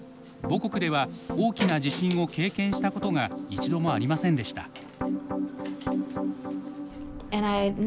母国では大きな地震を経験したことが一度もありませんでした。